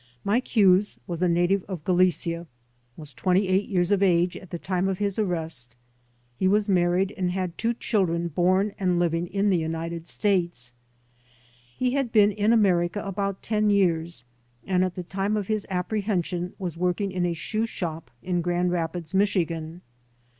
Mike Hewes was a native of Galicia, was twenty eight years of age at the time of his arrest; he was married and had two children born and living in the United States. He had been in America about ten years and at the time of his apprehension was working in a shoe shop in Grand Rapids, Michigan.